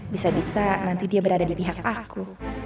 bisa bisa nanti dia berada di pihak aku